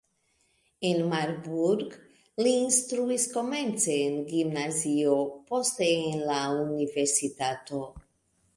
En Marburg li instruis komence en gimnazio, poste en la universitato.